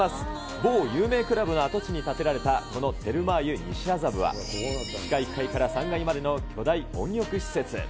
某有名クラブの跡地に建てられた、このテルマー湯西麻布は、地下１階から３階までの巨大温浴施設。